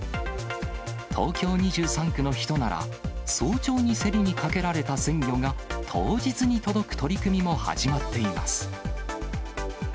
東京２３区の人なら、早朝に競りにかけられた鮮魚が、当日に届く取り組みも始まっています。